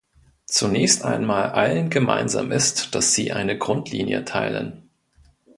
Zunächst einmal allen gemeinsam ist, dass sie eine Grundlinie teilen.